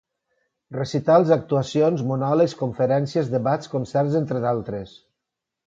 Recitals, actuacions, monòlegs, conferències, debats, concerts, entre d'altres.